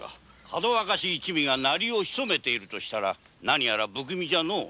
かどわかし一味がなりを潜めているとしたら何やら不気味じゃのう。